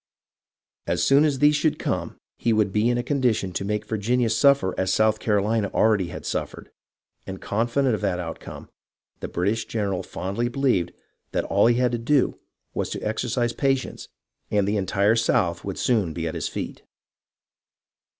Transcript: As soon as these should come he would be in a condition to make Virginia suffer as South Carolina already had suffered, and, confident of the outcome, the British general fondly believed that all he had to do was to exercise patience, and the entire South would soon be at his feet.